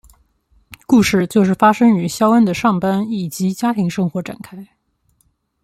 故事就是发生于肖恩的上班以及家庭生活展开。